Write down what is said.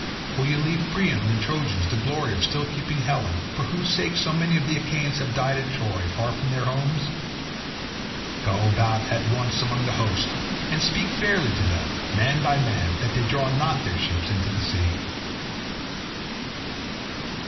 Will you leave Priam and the Trojans the glory of still keeping Helen, for whose sake so many of the Achaeans have died at Troy, far from their homes? Go about at once among the host, and speak fairly to them, man by man, that they draw not their ships into the sea."